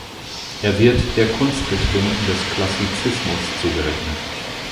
Er wird der Kunstrichtung des Klassizismus zugerechnet.